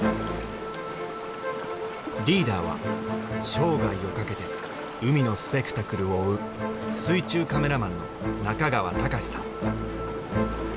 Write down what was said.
リーダーは生涯をかけて海のスペクタクルを追う水中カメラマンの中川隆さん。